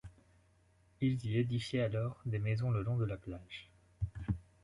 Ils y édifiaient alors des maisons le long de la plage.